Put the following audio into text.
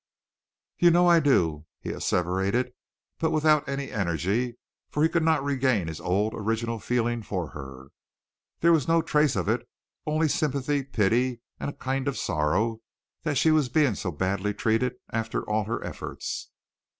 "You know I do," he asseverated, but without any energy, for he could not regain his old original feeling for her. There was no trace of it, only sympathy, pity, and a kind of sorrow that she was being so badly treated after all her efforts.